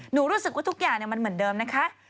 รู้สึกว่าทุกอย่างมันเหมือนเดิมนะคะ